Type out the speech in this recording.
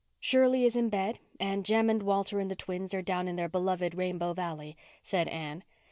"Shirley is in bed and Jem and Walter and the twins are down in their beloved Rainbow Valley," said Anne.